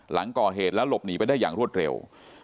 หลังก่อเหตุแล้วหลบหนีไปได้อย่างรวดเร็ว